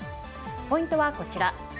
ポイントはこちら。